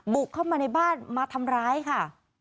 บุกเข้ามาในบ้านมาทำร้ายค่ะ